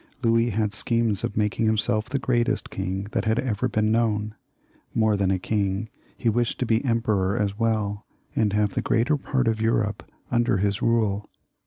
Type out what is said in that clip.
Louis had schemes of making himself the greatest king that had ever been known ; more than king, he wished to be emperor as well, and have the greater part of Europe under his rule.